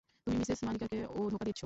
তুমি মিসেস মালিকাকে ধোকা দিচ্ছ।